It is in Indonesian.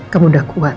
kamu udah kuat